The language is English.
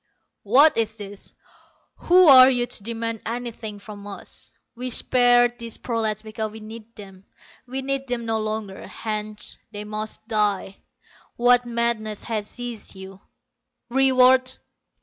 "What is this? Who are you to demand anything from us? We spared these prolats because we needed them: we need them no longer, hence they must die. What madness has seized you? Reward!